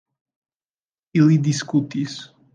Ili diskutis.